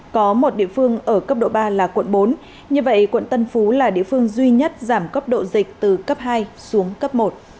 có một địa phương ở cấp độ ba là quận bốn như vậy quận tân phú là địa phương duy nhất giảm cấp độ dịch từ cấp hai xuống cấp một